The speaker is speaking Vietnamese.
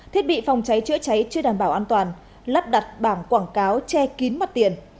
thiết bị phòng cháy chữa cháy chưa đảm bảo an toàn lắp đặt bảng quảng cáo che kín mặt tiền